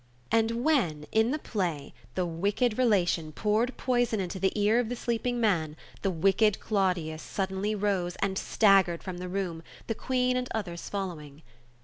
And when, in the play, the wicked rela tion poured poison into the ear of the sleeping man, the wicked Claudius suddenly rose, and staggered from the room — ^the Queen and others following.